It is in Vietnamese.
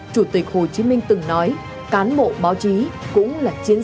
chủ tịch hồ chí minh từng nói cán bộ báo chí cũng là chiến